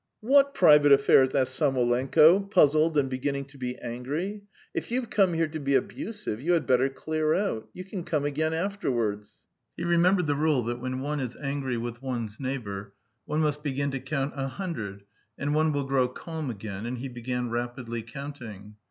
"What private affairs?" asked Samoylenko, puzzled and beginning to be angry. "If you've come here to be abusive, you had better clear out. You can come again afterwards!" He remembered the rule that when one is angry with one's neighbour, one must begin to count a hundred, and one will grow calm again; and he began rapidly counting.